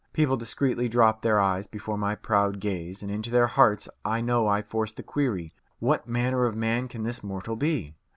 People discreetly dropped their eyes before my proud gaze, and into their hearts I know I forced the query, What manner of man can this mortal be?